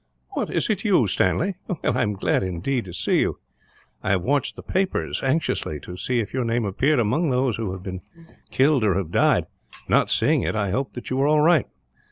"What, is it you, Stanley? I am glad, indeed, to see you. I have watched the papers anxiously, to see if your name appeared among those who have been killed or have died; not seeing it, I hoped that you were all right.